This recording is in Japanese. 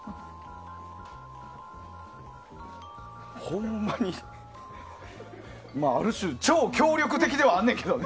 ほんまに、ある種超協力的ではあんねんけど。